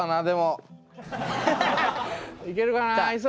でもいけるかな？